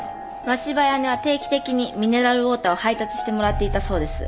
真柴綾音は定期的にミネラルウオーターを配達してもらっていたそうです。